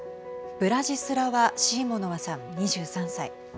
ブラジスラワ・シーモノワさん２３歳。